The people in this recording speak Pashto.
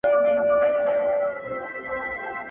سر کي ښکر شاته لکۍ ورکړه باداره,